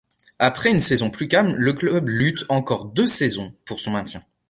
Après une saison plus calme, le club lutte encore deux saisons pour son maintien.